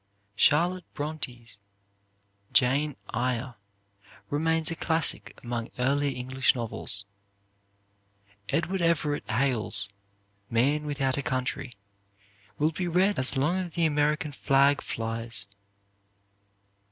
Charlotte Bronte's "Jane Eyre" remains a classic among earlier English novels. Edward Everett Hale's "Man without a Country" will be read as long as the American flag flies.